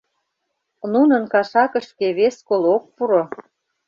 Нунын кашакышке вес кол ок пуро.